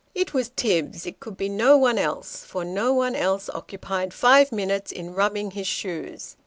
It was Tibbs ; it could he no one else ; for no one else occupied five minutes in rubbing his shoes.